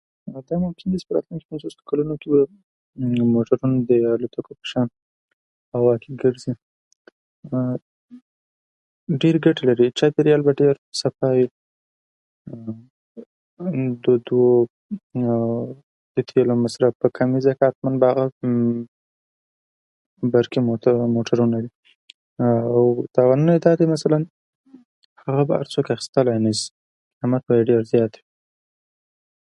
[unintelligible] په راتلونکو پنځوسو کلونو کې به موټران د الوتکو په شان په هوا کې ګرځي. ډېرې ګټې لري؛ چاپيريال به ډېر صفا وي، دود او د تیلو مصرف به کم وي، ځکه هغه به برقي موټر، موټرونه وي. او تاوانونه یې دا دي؛ مثلا هغه به هر څوک اخیستلی نشي، قیمت به یې ډېر زیات وي.